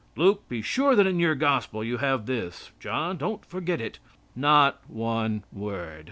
Luke, be sure that in your gospel you have this. John, don't forget it." Not one word.